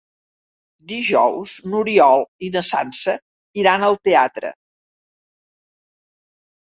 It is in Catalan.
Dijous n'Oriol i na Sança iran al teatre.